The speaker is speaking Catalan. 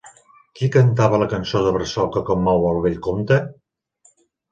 Qui cantava la cançó de bressol que commou al vell comte?